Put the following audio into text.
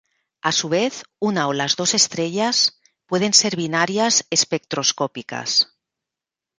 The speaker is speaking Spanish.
A su vez, una o las dos estrellas pueden ser binarias espectroscópicas.